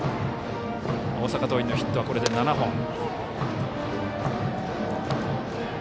大阪桐蔭のヒットは、これで７本。